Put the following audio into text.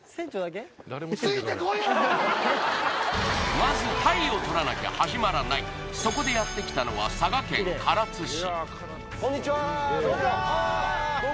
まず鯛をとらなきゃはじまらないそこでやってきたのは佐賀県唐津市